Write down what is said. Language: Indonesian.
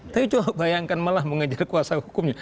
tapi coba bayangkan malah mengejar kuasa hukumnya